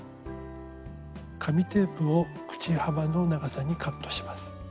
紙テープを口幅の長さにカットします。